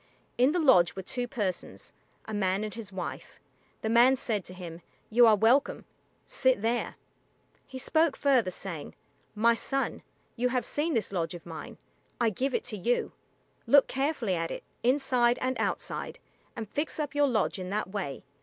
In the lodge were two persons, a man and his wife. The man said to him, "You are welcome; sit there." He spoke further, saying, "My son, you have seen this lodge of mine; I give it to you. Look carefully at it, inside and outside, and fix up your lodge in that way.